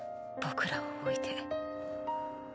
僕らを置いて。